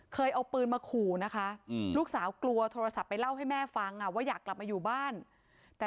เคยเอาปืนมาขู่นะคะ